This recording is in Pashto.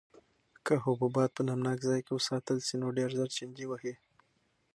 که حبوبات په نمناک ځای کې وساتل شي نو ډېر ژر چینجي وهي.